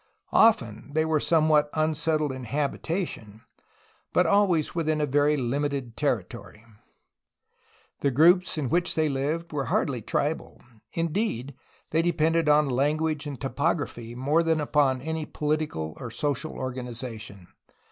Often they were somewhat un settled in habitation, but always within very limited terri tories. The groups in which they lived were hardly tribal; indeed, they depended on language and topography more than upon any political or social organization.